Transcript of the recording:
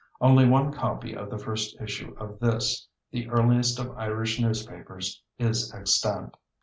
Only one copy of the first issue of this, the earliest of Irish newspapers, is extant.